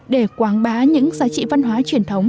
để quảng bá những giá trị văn hóa truyền thống